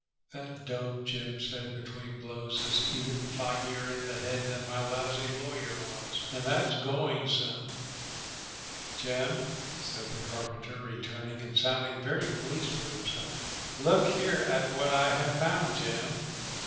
"That dope," Jim said between blows, "is even foggier in the head than my lousy lawyer was, and that's going some." "Jim," said the carpenter, returning and sounding very pleased with himself, "look here at what I have found, Jim."